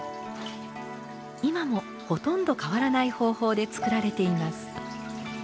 今もほとんど変わらない方法で作られています。